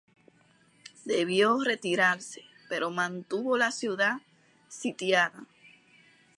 Debió retirarse, pero mantuvo la ciudad sitiada.